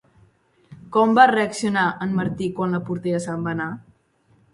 Com va reaccionar en Martí quan la portera se'n va anar?